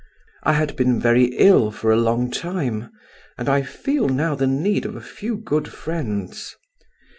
I had been very ill for a long time, and I feel now the need of a few good friends.